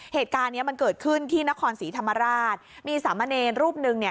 เหตุการณ์เนี้ยมันเกิดขึ้นที่นครศรีธรรมราชมีสามเณรรูปหนึ่งเนี่ย